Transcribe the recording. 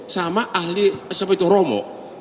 sama ahli seperti itu romo